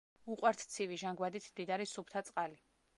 უყვართ ცივი, ჟანგბადით მდიდარი, სუფთა წყალი.